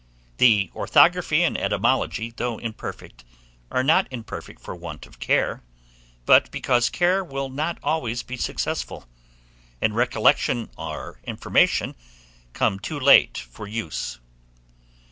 The orthography and etymology, though imperfect, are not imperfect for want of care, but because care will not always be successful, and recollection or information come too late for use.